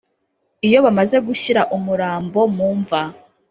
iyo bamaze gushyira umurambo mu mva